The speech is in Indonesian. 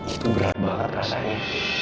itu berat banget rasanya